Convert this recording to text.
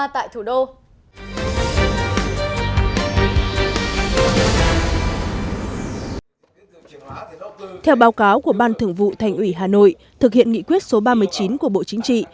theo báo cáo của ban thưởng vụ thành ủy hà nội thực hiện nghị quyết số ba mươi chín của bộ chính trị